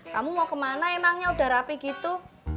kamu mau kemana emangnya udah rapi gitu